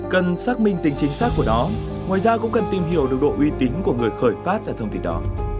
cần xác minh tính chính xác của nó ngoài ra cũng cần tìm hiểu được độ uy tín của người khởi phát ra thông tin đó